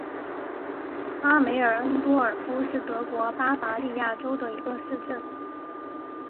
阿梅尔恩多尔夫是德国巴伐利亚州的一个市镇。